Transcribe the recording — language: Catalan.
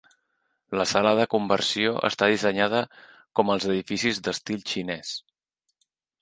La sala de conversió està dissenyada com els edificis d'estil xinès.